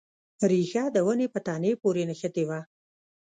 ریښه د ونې په تنې پورې نښتې وه.